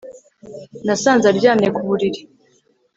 Nasanze aryamye ku buriri